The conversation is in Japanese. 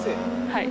はい。